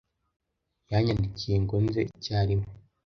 Yanyandikiye ngo nze icyarimwe.